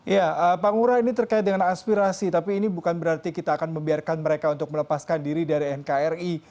ya pak ngurah ini terkait dengan aspirasi tapi ini bukan berarti kita akan membiarkan mereka untuk melepaskan diri dari nkri